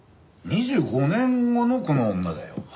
２５年後のこの女だよ。